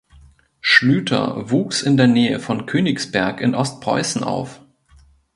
Schlüter wuchs in der Nähe von Königsberg in Ostpreußen auf.